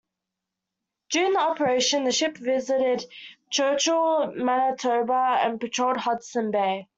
During the operation, the ship visited Churchill, Manitoba and patrolled Hudson Bay.